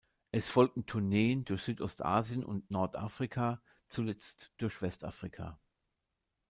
Es folgten Tourneen durch Südostasien und Nordafrika, zuletzt durch Westafrika.